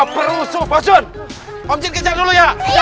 perasaan cur sih